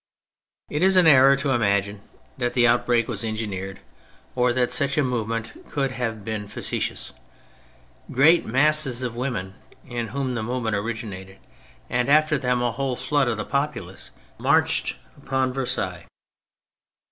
It is an error tc imagine that that outbreak was engineered D 2 100 THE FRENCH REVOLUTION or that such a movement could have been factitious. Great masses of women (in whom the movement originated), and after them a whole flood of the populace, marched upon Versailles.